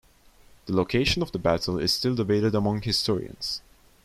The location of the battle is still debated among historians.